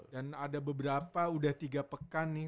dan ada beberapa udah tiga pekan nih